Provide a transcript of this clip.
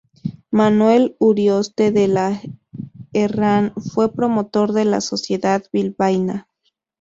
Manuel Urioste de la Herrán fue promotor de la Sociedad Bilbaína.